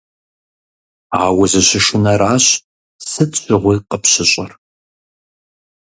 А узыщышынэращ сыт щыгъуи къыпщыщӀыр.